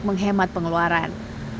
dan menghemat pengeluaran